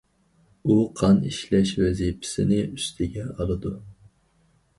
ئۇ قان ئىشلەش ۋەزىپىسىنى ئۈستىگە ئالىدۇ.